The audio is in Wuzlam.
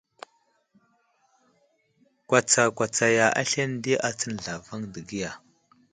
Kwatsakwatsaya aslane di atsən zlavaŋ degiya.